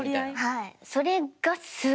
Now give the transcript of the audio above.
はい。